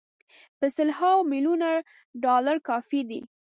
په سل هاوو میلیونه ډالر کافي دي.